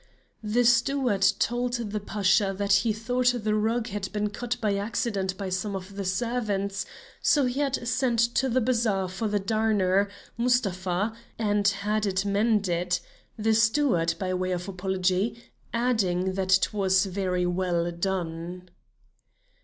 The steward told the Pasha that he thought the rug had been cut by accident by some of the servants, so he had sent to the Bazaar for the darner, Mustapha, and had it mended, the steward, by way of apology, adding that it was very well done.